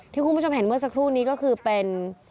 คุณผู้ชมเห็นเมื่อสักครู่นี้ก็คือเป็น